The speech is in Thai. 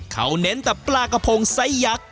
เขาเน้นแต่ปลากระพงไซสยักษ